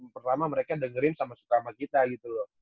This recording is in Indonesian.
pertama mereka dengerin sama suka sama kita gitu loh